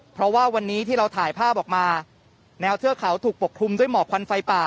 เพราะว่าวันนี้ที่เราถ่ายภาพออกมาแนวเทือกเขาถูกปกคลุมด้วยหมอกควันไฟป่า